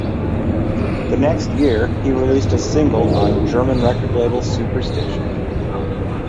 The next year, he released a single on German record label Superstition.